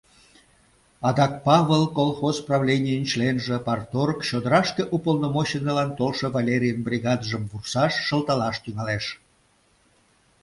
Адак Павыл — колхоз правленийын членже, парторг, чодырашке уполномоченныйлан толшо — Валерийын бригадыжым вурсаш, шылталаш тӱҥалеш.